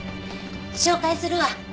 紹介するわ。